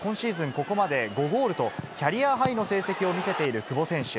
ここまで５ゴールと、キャリアハイの成績を見せている久保選手。